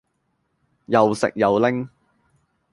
又食又拎